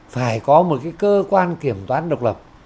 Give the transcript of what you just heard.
phải có một cái cơ quan kiểm toán độc lập